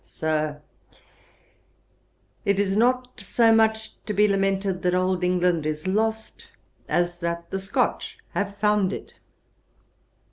'Sir, it is not so much to be lamented that Old England is lost, as that the Scotch have found it.'